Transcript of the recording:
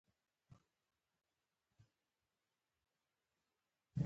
دوه زره دوه کال کې دغه انحصار یو ځل بیا لاس په لاس شو.